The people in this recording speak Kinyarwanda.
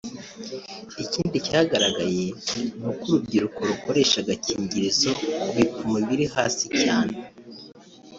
Ikindi cyagaragaye ni uko urubyiruko rukoresha agakingirizo ku bipimo biri hasi cyane